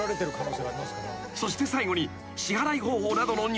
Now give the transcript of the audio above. ［そして最後に］